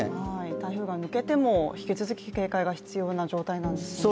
台風が抜けても引き続き警戒が必要な状態なんですね。